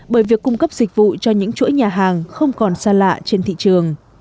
bởi việc cung cấp dịch vụ cho những chuỗi nhà hàng không còn xa lạ trên thị trường